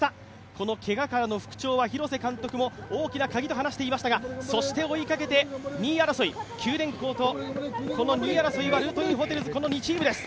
このけがからの復調は、廣瀬監督も大きなカギと話していましたがそして追いかけて２位争い、九電工とルートインホテルズの２チーム。